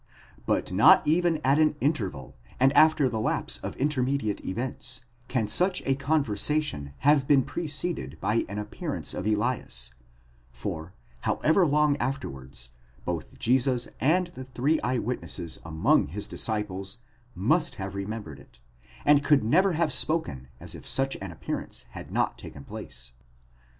But not even at an interval, and after the lapse of intermediate events, can such a conversation have been preceded by an appearance of Elias ; for however long afterwards, both Jesus and the three eye witnesses among his disciples must have remembered it, and could never have spoken as if such an appearance had not taken place.